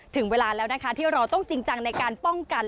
ถึงเวลาแล้วนะคะที่เราต้องจริงจังในการป้องกัน